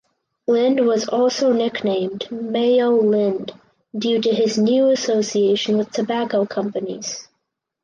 Lind was also nicknamed "Mayo Lind" due to his new association with tobacco companies.